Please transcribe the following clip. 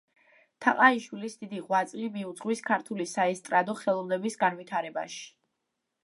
თაყაიშვილს დიდი ღვაწლი მიუძღვის ქართული საესტრადო ხელოვნების განვითარებაში.